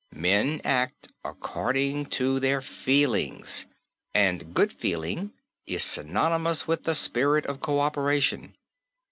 Men act according to their feelings, and "good feeling" is synonymous with the spirit of coöperation.